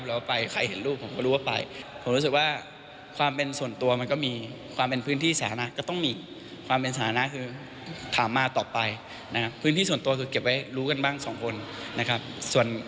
เรื่องส่วนตัวไม่ต้องไปอยากรู้อะไรของเขาหมด